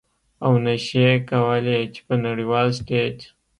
او نشي کولې چې په نړیوال ستیج